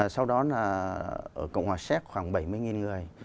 sau đó là ở cộng hòa séc khoảng bảy mươi người